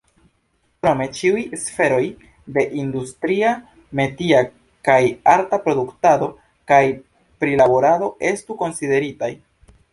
Krome ĉiuj sferoj de industria, metia kaj arta produktado kaj prilaborado estu konsideritaj.